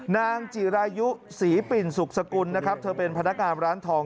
นางจิรายุศรีปิ่นสุขสกุลนะครับเธอเป็นพนักงานร้านทอง